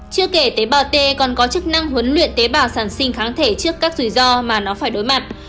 chưa kể tế bào t còn có chức năng huấn luyện tế bào sản sinh kháng thể trước các rủi ro mà nó phải đối mặt